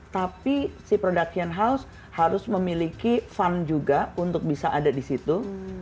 tapi si production house harus memiliki fun juga untuk bisa ada di situ